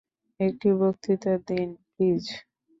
একটি বক্তৃতা দিন, প্লিজ!